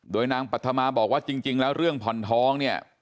โดยนางปัธมาบอกว่าจริงแล้วเรื่องผ่อนท้องเนี่ย